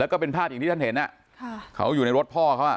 แล้วก็เป็นภาพอย่างที่ท่านเห็นเขาอยู่ในรถพ่อเขา